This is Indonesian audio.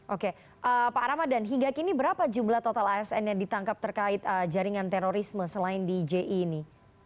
oke pak ramadan hingga kini berapa jumlah total asn yang ditangkap terkait jaringan terorisme selain di ji ini